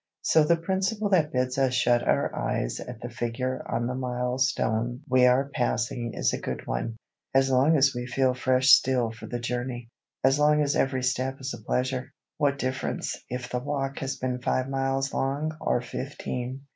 So the principle that bids us shut our eyes at the figure on the mile stone we are passing is a good one. As long as we feel fresh still for the journey, as long as every step is a pleasure, what difference if the walk has been five miles long or fifteen?